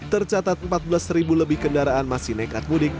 tercatat empat belas lebih kendaraan masih nekat mudik